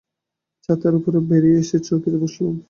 ছাতের উপর বেরিয়ে এসে চৌকিতে বসলুম।